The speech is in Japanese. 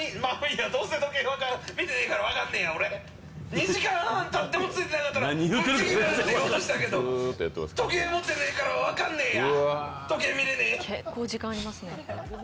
２時間半たっても着かなかったらブチギレると思いましたけど、時計持ってねえから分からねえや！